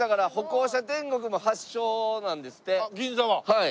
はい。